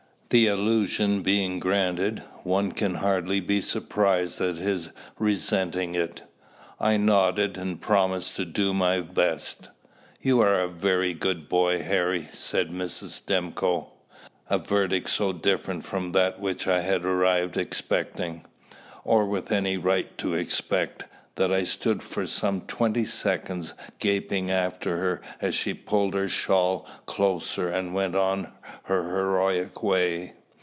The illusion being granted, one can hardly be surprised at his resenting it." I nodded, and promised to do my best. "You are a very good boy, Harry," said Mrs. Stimcoe a verdict so different from that which I had arrived expecting, or with any right to expect, that I stood for some twenty seconds gaping after her as she pulled her shawl closer and went on her heroic way.